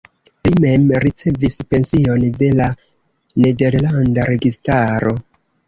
Li mem ricevis pension de la nederlanda registaro.